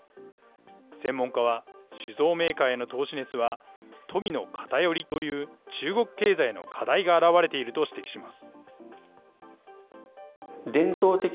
専門家は、酒造メーカーへの投資熱は、富の偏りという、中国経済の課題が表れていると指摘します。